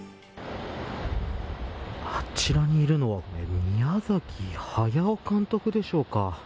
あちらにいるのは宮崎駿監督でしょうか。